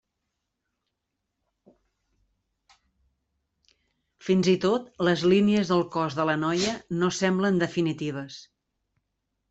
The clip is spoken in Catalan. Fins i tot les línies del cos de la noia no semblen definitives.